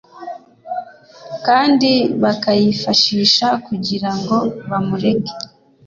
kandi bakayifashisha kugira ngo bamurege.